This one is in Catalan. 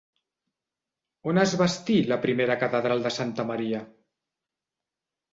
On es bastí la primera catedral de Santa Maria?